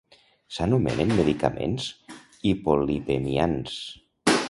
S'anomenen medicaments hipolipemiants.